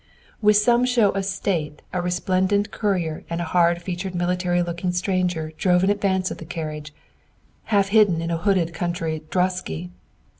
With some show of state, a resplendent courier and a hard featured military looking stranger drove in advance of the carriage, half hidden in a hooded country droschky.